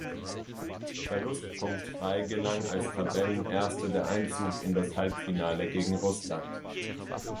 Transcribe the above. Verlustpunktfrei gelang als Tabellenerste der Einzug in das Halbfinale gegen Russland.